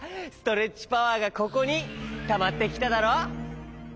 ストレッチパワーがここにたまってきただろ！